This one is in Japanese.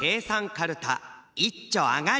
カルタいっちょあがり！